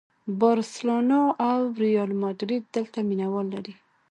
بارسلونا او ریال ماډریډ دلته مینه وال لري.